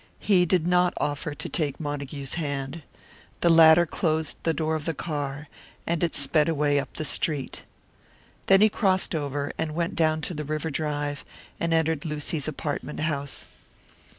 He did not offer to take Montague's hand. The latter closed the door of the car, and it sped away up the street. Then he crossed over and went down to the River drive, and entered Lucy's apartment house.